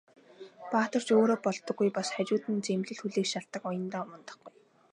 Баатар ч өөрөө болдоггүй, бас хажууд нь зэмлэл хүлээх шалтаг аяндаа мундахгүй.